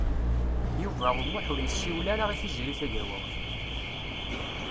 Yuba U Muḥ ur yessiwel ara i Tiziri Tagawawt.